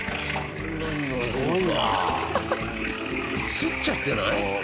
擦っちゃってない？